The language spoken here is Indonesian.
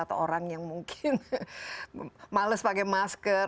atau orang yang mungkin males pakai masker